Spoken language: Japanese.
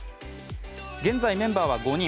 現在、メンバーは５人。